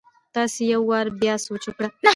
تاسي يو وار بيا سوچ وکړئ!